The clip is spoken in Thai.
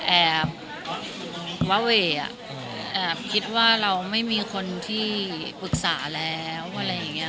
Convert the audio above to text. แอบวาเวอ่ะแอบคิดว่าเราไม่มีคนที่ปรึกษาแล้วอะไรอย่างนี้